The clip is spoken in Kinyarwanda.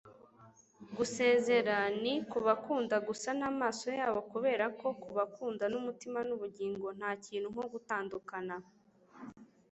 gusezera ni kubakunda gusa n'amaso yabo kuberako kubakunda numutima nubugingo ntakintu nko gutandukana